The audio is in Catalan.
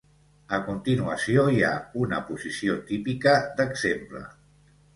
A continuació hi ha una posició típica d'exemple.